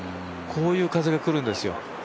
こういう風がくるんですよ。